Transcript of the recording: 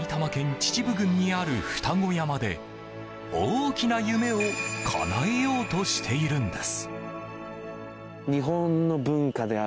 秩父郡にある二子山で大きな夢をかなえようとしているんです。